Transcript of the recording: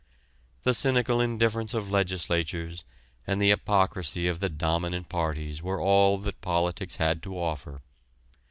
The cynical indifference of legislatures and the hypocrisy of the dominant parties were all that politics had to offer.